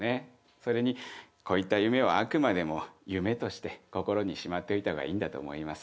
それにこういった夢はあくまでも夢として心にしまっといた方がいいんだと思います。